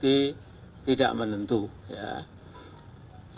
tapi kita harus tarik memori